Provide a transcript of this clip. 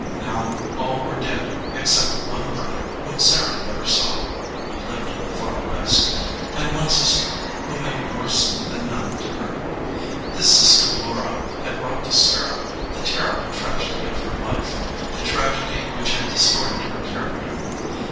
Now all were dead, except one brother whom Sarah never saw (he lived in the far West) and one sister, who meant worse than none to her. This sister Laura had brought to Sarah the ter rible tragedy of her life, the tragedy which had distorted her character.